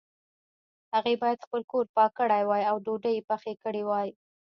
هغې باید خپل کور پاک کړی وای او ډوډۍ یې پخې کړي وای